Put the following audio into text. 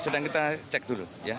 sudah kita cek dulu ya